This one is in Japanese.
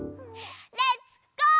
レッツゴー！